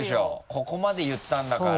ここまで言ったんだから。